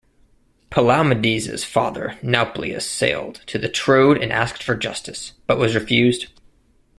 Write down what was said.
Palamedes' father Nauplius sailed to the Troad and asked for justice, but was refused.